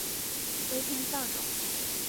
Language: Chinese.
飞天扫帚。